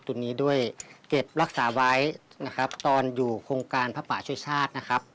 ตรงนี้ด้วยเก็บรักษาไว้นะครับตอนอยู่โครงการพระป่าช่วยชาตินะครับ